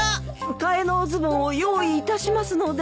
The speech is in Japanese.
替えのおズボンを用意いたしますので。